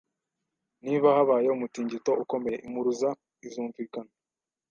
Niba habaye umutingito ukomeye, impuruza izumvikana